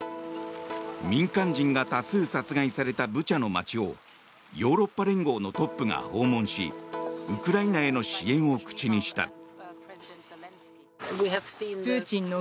民間人が多数殺害されたブチャの街をヨーロッパ連合のトップが訪問しウクライナへの支援を口にした。